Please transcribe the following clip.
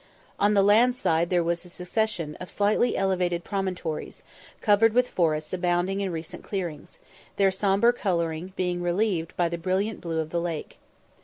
On the land side there was a succession of slightly elevated promontories, covered with forests abounding in recent clearings, their sombre colouring being relieved by the brilliant blue of the lake.